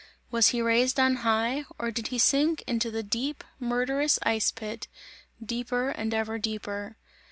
Was he raised on high, or did he sink into the deep, murderous ice pit, deeper and ever deeper?